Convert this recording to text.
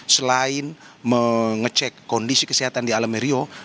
selain mengecek kondisi kesehatan di alami rio